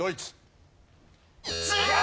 違う！